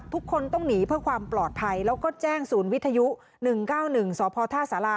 ทุกคนต้องหนีเพื่อความปลอดภัยแล้วก็แจ้งศูนย์วิทยุ๑๙๑สพท่าสารา